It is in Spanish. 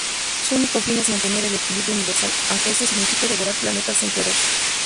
Su único fin es mantener el equilibrio universal, aunque esto signifique devorar planetas enteros.